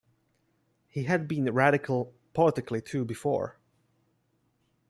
He had been radical politically, too, before.